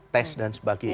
tes dan sebagainya